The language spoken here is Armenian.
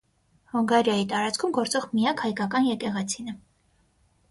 Հունգարիայի տարածքում գործող միակ հայկական եկեղեցին է։